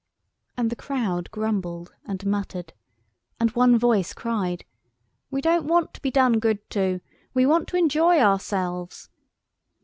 And the crowd grumbled and muttered, and one voice cried— "We don't want to be done good to. We want to enjoy ourselves."